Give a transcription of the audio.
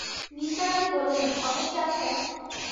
নিসার আলি বললেন, অতসী আছে?